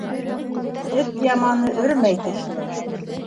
Эт яманы өрмәй тешләр.